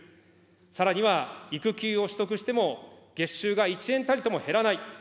さらには育休を取得しても月収が一円たりとも減らない。